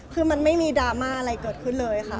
คือมันไม่มีดราม่าอะไรเกิดขึ้นเลยค่ะ